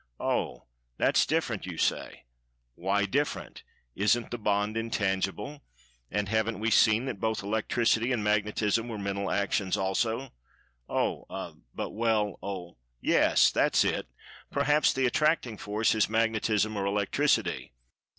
Oh, that's different, you say. Why, different? Isn't the bond intangible? And, haven't we seen that both Electricity and Magnetism were Mental Actions also? Oh,—er—but well,—oh yes, that's it—perhaps the Attracting Force is Magnetism or Electricity.